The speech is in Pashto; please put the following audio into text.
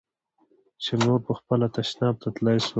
چې نور پخپله تشناب ته تلاى سوم.